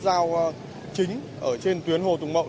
giao chính trên tuyến hồ tùng mậu